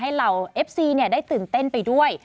เหล่าเอฟซีได้ตื่นเต้นไปด้วย